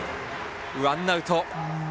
ワンアウト。